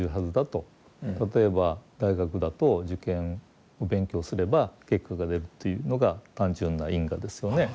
例えば大学だと受験勉強すれば結果が出るというのが単純な因果ですよね。